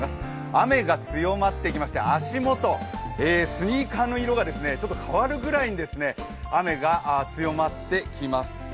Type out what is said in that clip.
雨が強まってきまして足元、スニーカーの色がちょっと変わるくらいに雨が強まってきました